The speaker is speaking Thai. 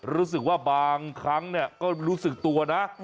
รู้สึกว่าบางครั้งก็รู้สึกตัวนะ